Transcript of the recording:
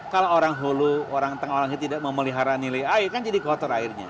kalau orang hulu orang tengah orangnya tidak memelihara nilai air kan jadi kotor airnya